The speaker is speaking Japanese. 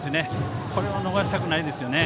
これを逃したくないですね。